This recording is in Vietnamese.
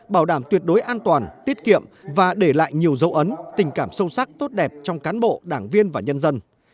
bảo đảm tuyệt đối an toàn tiết kiệm và để lại nhiều dấu ấn tình cảm sâu sắc tốt đẹp trong cán bộ đảng viên và nhân dân